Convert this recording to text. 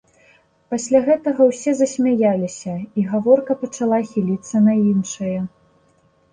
Пасля гэтага ўсе засмяяліся і гаворка пачала хіліцца на іншае.